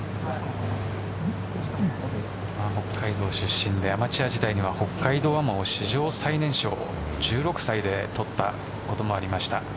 北海道出身でアマチュア時代には北海道アマを史上最年少１６歳で取ったこともありました。